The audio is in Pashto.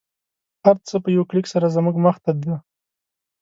هر څه په یوه کلیک سره زموږ مخته دی